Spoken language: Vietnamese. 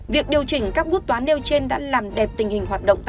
việc điều chỉnh các bút toán nêu trên đã làm đẹp tình hình hoạt động